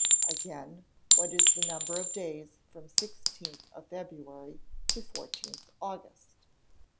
Again, what is the number of days from 16th of February to 14th August?